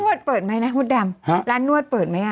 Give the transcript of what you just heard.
นวดเปิดไหมนะหุดดำร้านนวดเปิดไหม